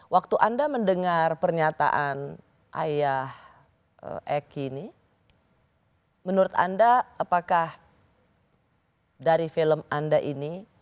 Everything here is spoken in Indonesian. waktu anda mendengar pernyataan ayah eki ini menurut anda apakah dari film anda ini